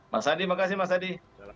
mas adi makasih mas adi